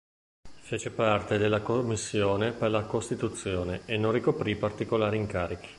Fece parte della Commissione per la Costituzione e non ricoprì particolari incarichi.